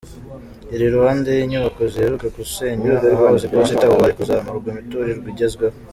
Iri iruhande y’inyubako ziheruka gusenywa ahahoze iposita, ubu hari kuzamurwa imiturirwa igezweho.